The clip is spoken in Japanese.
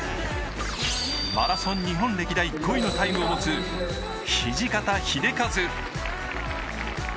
マラソン日本歴代５位のタイムを持つ土方英和。